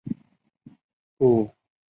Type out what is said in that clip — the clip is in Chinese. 布达佩斯地铁黄线设有塞切尼浴场站。